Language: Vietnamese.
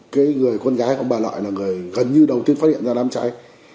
cái người con gái của ông bà lợi là người gần như đầu tiên phát hiện ra đám cháy